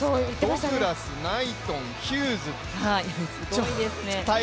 ドグラス、ナイトン、ヒューズ。